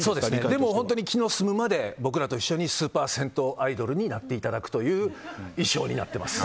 でも、本当に気の済むまで僕らと一緒にスーパー銭湯アイドルになっていただくという衣装になってます。